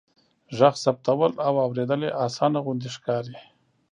ږغ ثبتول او اوریدل يې آسانه غوندې ښکاري.